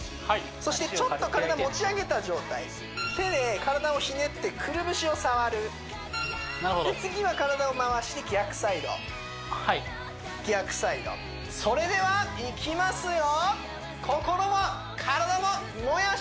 そしてちょっと体持ち上げた状態手で体をひねってくるぶしを触るで次は体を回して逆サイド逆サイドはいそれではいきますよ